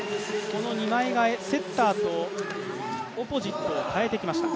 この二枚替え、セッターをオポジットをかえてきました。